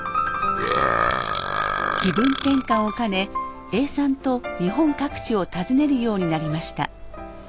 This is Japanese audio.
気分転換を兼ね永さんと日本各地を訪ねるようになりました。